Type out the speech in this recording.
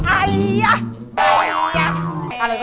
อะไรก็ได้ใช่ไหม